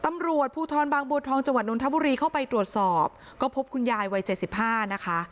ตำรวจภูทรบางบัวทองจังหวัดนทบุรีเข้าไปตรวจสอบก็พบคุณยายวัยเจ็ดสิบห้านะคะ